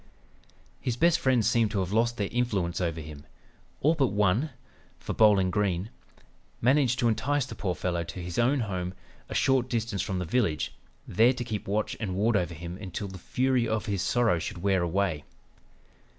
"His best friends seemed to have lost their influence over him, ... all but one; for Bowling Green ... managed to entice the poor fellow to his own home, a short distance from the village, there to keep watch and ward over him until the fury of his sorrow should wear away.